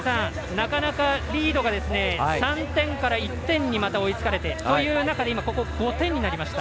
なかなか、リードが３点から１点にまた追いつかれてという中で５点になりました。